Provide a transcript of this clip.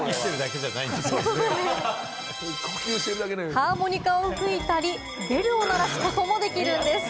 ハーモニカを吹いたり、ベルを鳴らすこともできるんです。